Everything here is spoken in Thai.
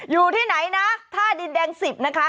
อยู่ที่ไหนนะท่าดินแดง๑๐นะคะ